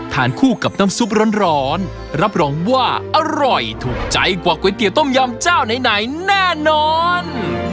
ทานคู่กับน้ำซุปร้อนรับรองว่าอร่อยถูกใจกว่าก๋วยเตี๋ยต้มยำเจ้าไหนแน่นอน